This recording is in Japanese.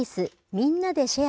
みんなでシェア！